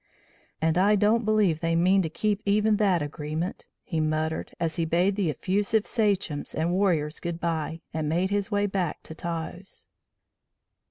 "And I don't believe they mean to keep even that agreement," he muttered, as he bade the effusive sachems and warriors goodbye and made his way back to Taos.